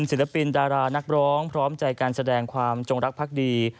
ศิลปินดารานักร้องพร้อมใจการแสดงความจงรักภักดี